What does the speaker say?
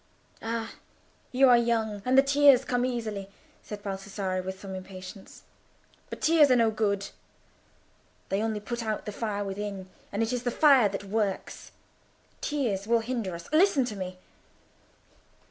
"Ah, you are young, and the tears come easily," said Baldassarre, with some impatience. "But tears are no good; they only put out the fire within, and it is the fire that works. Tears will hinder us. Listen to me."